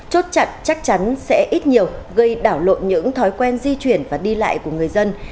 chốt chặt chắc chắn sẽ ít nhiều gây đảo lộn những thói quen di chuyển và đi lại của người dân